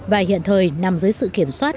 và hiện thời nằm dưới sự kiểm soát